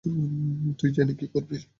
তুই জেনে কী করবি?